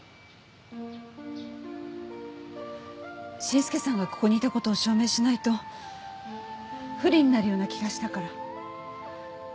信祐さんがここにいた事を証明しないと不利になるような気がしたから。